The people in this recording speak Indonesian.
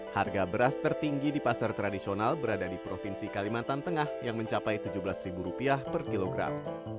harga beras tertinggi di pasar tradisional berada di provinsi kalimantan tengah yang mencapai rp tujuh belas per kilogram